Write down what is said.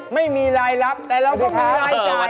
ไม่มีลายลับแต่เราก็มีลายชาย